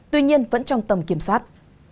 tuy nhiên vẫn trong tầm kiểm soát